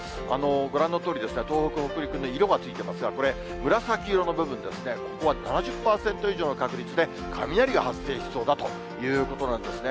ご覧のとおり、東北、北陸に色が付いてますが、これ、紫色の部分ですね、ここは７０％以上の確率で雷が発生しそうだということなんですね。